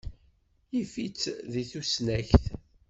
Yif-itt deg tusnakt.